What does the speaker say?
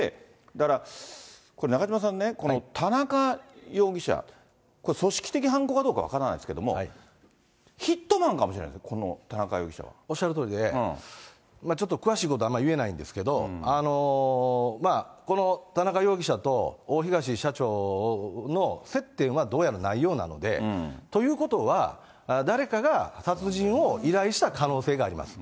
だから中島さんね、田中容疑者、これ、組織的犯行かどうか分からないですけれども、ヒットマンかもしれないですよね、おっしゃるとおりで、ちょっと詳しいこと、あんまり言えないんですけれども、この田中容疑者と大東社長の接点は、どうやらないようなので、ということは、誰かが殺人を依頼した可能性があります。